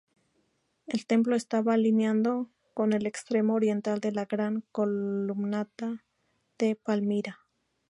El templo estaba alineado con el extremo oriental de la Gran Columnata de Palmira.